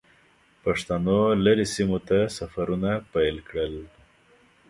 پښتنو لرې سیمو ته سفرونه پیل کړل.